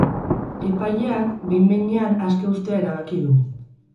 Epaileak behin-behinean aske uztea erabaki du.